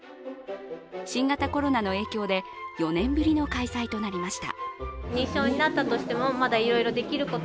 新型コロナの影響で、４年ぶりの開催となりました。